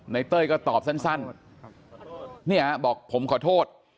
เต้ยก็ตอบสั้นเนี่ยบอกผมขอโทษ